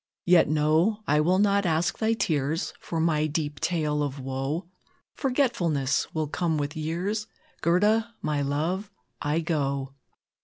Yet, no! I will not ask thy tears For my deep tale of woe; Forgetfulness will come with years; Gerda my love I go!"